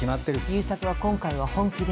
悠作は今回は本気です。